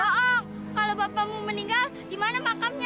bohong kalau bapakmu meninggal di mana makamnya